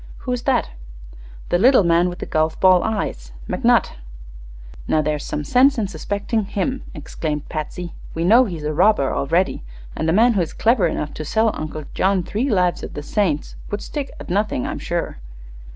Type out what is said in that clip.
"Who is that?" "The little man with the golf ball eyes; McNutt." "Now, there's some sense in suspecting him," exclaimed Patsy. "We know he's a robber, already, and a man who is clever enough to sell Uncle John three 'Lives of the Saints' would stick at nothing, I'm sure."